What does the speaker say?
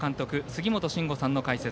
杉本真吾さんの解説。